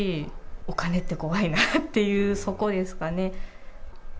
お金って怖いなっていう、そこですかね。